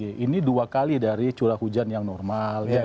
ini dua kali dari curah hujan yang normal